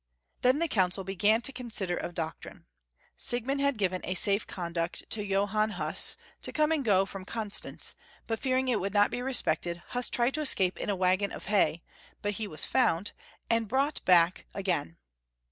Then the Council began to consider of doctrine. Siegmund had given a safe conduct to Johann Huss, to come to and go from Constance, but fearing it would not be respected, Huss tiied to escape in a wagon of hay, but he was found and brought back again.